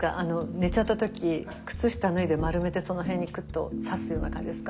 寝ちゃった時靴下脱いで丸めてその辺にクッとさすような感じですか？